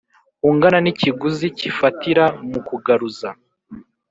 Ungana n ikiguzi cy ifatira mu kugaruza